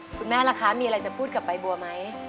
ล่ะคะมีอะไรจะพูดกับใบบัวไหม